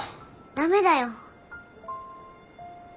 ダメだよ。